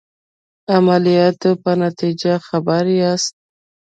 عملیاتو په نتیجه خبر یاست.